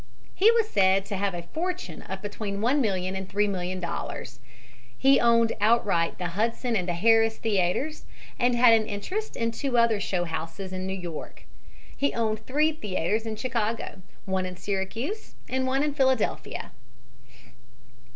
He was said to have a fortune of between $1,000,000 and $3,000,000. He owned outright the Hudson and the Harris theaters and had an interest in two other show houses in New York. He owned three theaters in Chicago, one in Syracuse and one in Philadelphia.